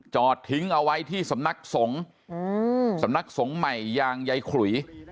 จอดทิ้งเอาไว้ที่สำนักสงฆ์สำนักสงฆ์ใหม่ยางใยขลุย